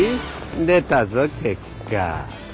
出たぞ結果。